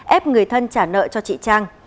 ép người thân trả nợ cho chị trang